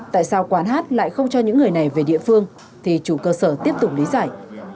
tại sao quán hát lại không cho những người này về địa phương thì chủ cơ sở tiếp tục lý giải